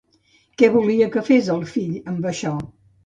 Què volia que fes el fill amb això?